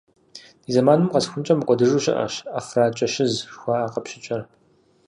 Ди зэманым къэсхункӏэ мыкӏуэдыжауэ щыӏэщ «ӏэфракӏэщыз» жыхуаӏэ къэпщыкӏэр.